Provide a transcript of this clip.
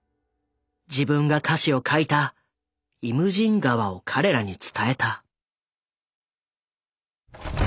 自分が歌詞を書いた「イムジン河」を彼らに伝えた。